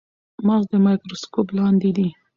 مغز د مایکروسکوپ لاندې دی.